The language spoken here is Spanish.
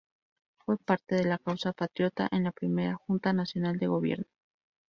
Fue parte de la causa patriota en la Primera Junta Nacional de Gobierno.